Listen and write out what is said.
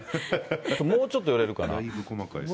もうちょっと寄れるかな？